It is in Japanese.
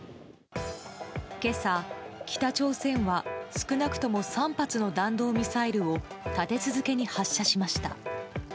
今朝、北朝鮮は少なくとも３発の弾道ミサイルを立て続けに発射しました。